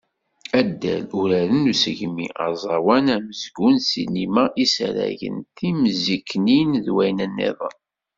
Addal, uraren n usegmi, aẓawan, amezgun, ssinima, isaragen, timziknin d wayen-nniḍen.